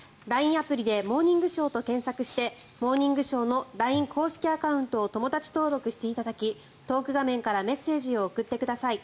アプリで「モーニングショー」と検索してＬＩＮＥ公式アカウントから友だち登録していただきトーク画面からメッセージを送ってください。